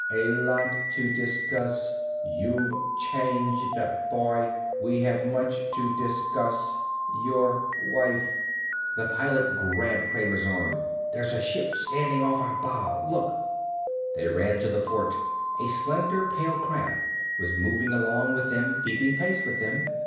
A lot to discuss. You've changed, boy. We have much to discuss. Your wife " The Pilot grabbed Kramer's arm. "There's a ship standing off our bow. Look." They ran to the port. A slender pale craft was moving along with them, keeping pace with them.